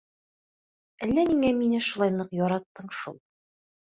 Әллә ниңә мине шулай ныҡ яраттың шул...